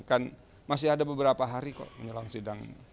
kan masih ada beberapa hari kok menjelang sidang